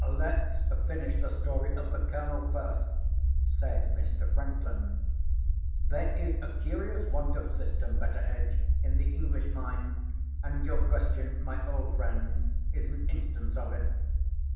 "Let's finish the story of the Colonel first," says Mr. Franklin. "There is a curious want of system, Betteredge, in the English mind; and your question, my old friend, is an instance of it.